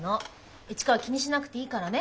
市川気にしなくていいからね。